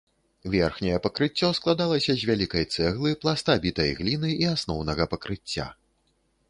Верхняе пакрыццё складалася з вялікай цэглы, пласта бітай гліны і асноўнага пакрыцця.